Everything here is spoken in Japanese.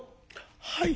「はい。